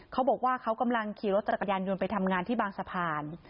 เขาบอกว่าเขากำลังขี่รถจักรยานยนต์ไปทำงานที่บางสะพาน